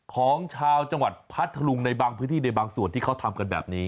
ของชาวจังหวัดพัทธลุงในบางพื้นที่ในบางส่วนที่เขาทำกันแบบนี้